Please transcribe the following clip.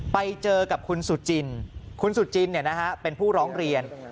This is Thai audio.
ไปเจอกับคุณสุจินคุณสุจินเป็นผู้ร้องเรียน